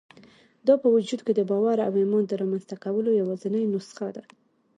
دا په وجود کې د باور او ايمان د رامنځته کولو يوازېنۍ نسخه ده.